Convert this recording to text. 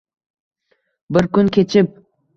Bir kun kechib